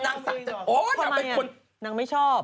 นางไม่ชอบ